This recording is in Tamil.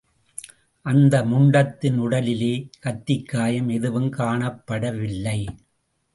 அந்த முண்டத்தின் உடலிலே கத்திக்காயம் எதுவும் காணப்படவில்லை.